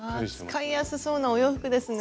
使いやすそうなお洋服ですね